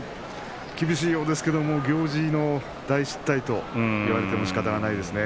厳しいようですけど行司の大失態と言われてもしかたないですね。